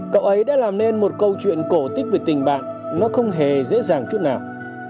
cậu ấy đã làm nên một câu chuyện cổ tích về tình bạn nó không hề dễ dàng chút nào